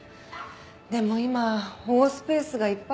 でも今保護スペースがいっぱいなんですよ。